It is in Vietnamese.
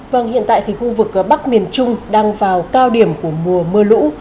vâng hiện tại thì khu vực bắc miền trung đang vào cao điểm của mùa mưa lũ